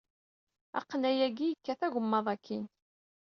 Aqnay agi yekkat agemmaḍ akkin.